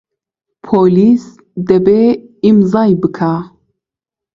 پۆلیس دەبێ ئیمزای بکا.